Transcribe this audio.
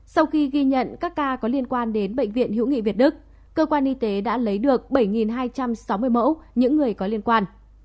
sau khi ghi nhận các ca có liên quan đến bệnh viện hữu nghị việt đức cơ quan y tế đã lấy được bảy hai trăm sáu mươi mẫu những người có liên quan